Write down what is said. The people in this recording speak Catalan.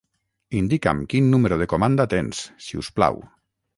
Indica'm quin número de comanda tens, si us plau.